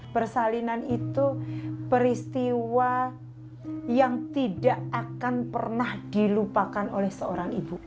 persalinan itu peristiwa yang tidak akan pernah dilupakan oleh seorang ibu